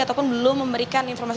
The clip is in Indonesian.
ataupun belum memberikan informasi